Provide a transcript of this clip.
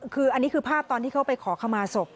คืออันนี้คือภาพตอนที่เขาไปขอขมาศพ